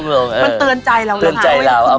มันเตือนใจเรารับอะ